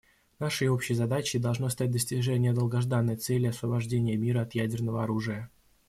Нашей общей задачей должно стать достижение долгожданной цели освобождения мира от ядерного оружия.